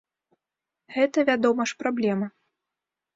Гэта, вядома ж, праблема.